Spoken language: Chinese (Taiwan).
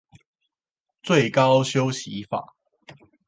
最高休息法